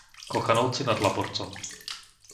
Kochanovce nad Laborcom